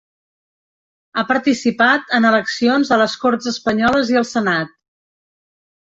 Ha participat en eleccions a les Corts espanyoles i al Senat.